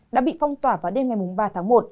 đã bị phong tỏa vào đêm ngày ba tháng một